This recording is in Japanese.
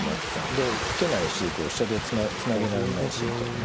で打てないしこう飛車でつなげられないしみたいなね。